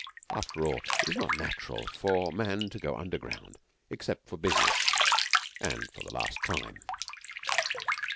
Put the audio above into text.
After all, it is not natural for man to go underground except for business or for the last time.